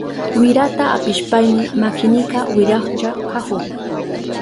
Wirata apishpayni makinika wirahlla kahun.